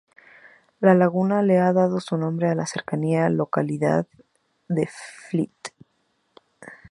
La laguna le ha dado su nombre a la cercana localidad de Fleet.